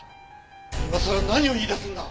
今さら何を言い出すんだ！